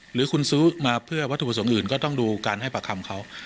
หรือคุณซื้อมาเพื่อวัตถุประสงค์อื่นก็ต้องดูการให้ประคำเขา